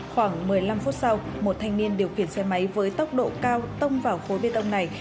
khoảng một mươi năm phút sau một thanh niên điều khiển xe máy với tốc độ cao tông vào khối bê tông này